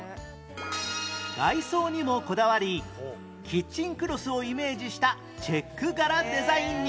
外装にもこだわりキッチンクロスをイメージしたチェック柄デザインに